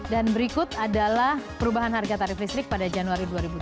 dan berikut adalah perubahan harga tarif listrik pada januari dua ribu tujuh belas